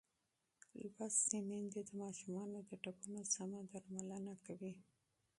لوستې میندې د ماشومانو د ټپونو سم درملنه کوي.